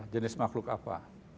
jenis makhluk apa